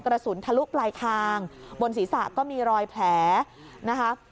กระสุนทะลุปลายคางบนศีรษะก็มีรอยแผลนะคะ